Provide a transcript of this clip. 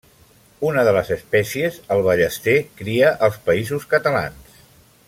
Una de les espècies, el ballester, cria als Països Catalans.